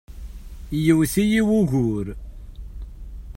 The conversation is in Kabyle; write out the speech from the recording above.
Yewwet-iyi wugur.